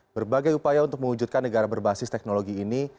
berbagai upaya untuk mewujudkan negara berbasis teknologi ini